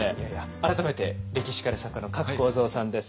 改めて歴史家で作家の加来耕三さんです。